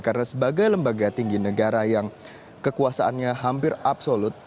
karena sebagai lembaga tinggi negara yang kekuasaannya hampir absolut